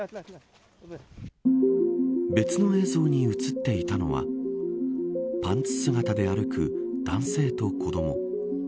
別の映像に映っていたのはパンツ姿で歩く男性と子ども。